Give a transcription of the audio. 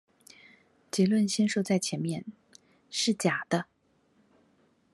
結論先說在前面：是假的